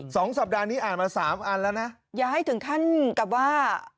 สองสัปดาห์นี้อ่านมาสามอันแล้วนะอย่าให้ถึงขั้นกับว่า